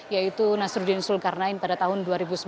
yaitu nasruddin zulkarnain pada tahun dua ribu sembilan